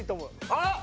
あっ！